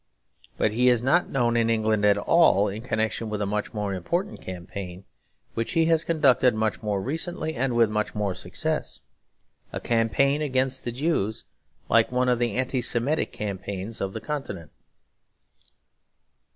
But he is not known in England at all in connection with a much more important campaign, which he has conducted much more recently and with much more success; a campaign against the Jews like one of the Anti Semitic campaigns of the Continent.